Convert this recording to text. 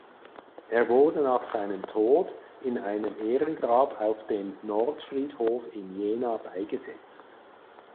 Er wurde nach seinem Tod in einem Ehrengrab auf dem Nordfriedhof in Jena beigesetzt.